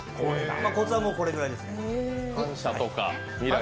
コツはこれくらいですね。